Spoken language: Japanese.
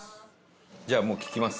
じゃあもう聞きます。